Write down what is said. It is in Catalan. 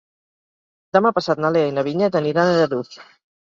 Demà passat na Lea i na Vinyet aniran a Lladurs.